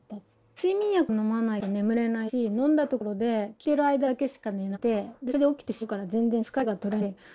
睡眠薬を飲まないと眠れないし飲んだところで効いてる間だけしか寝なくてそれで起きてしまうから全然疲れが取れなくて。